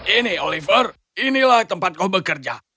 ini oliver inilah tempat kau bekerja